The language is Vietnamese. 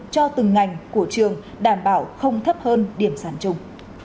cho từng ngành của trường đảm bảo không thấp hơn điểm sản chung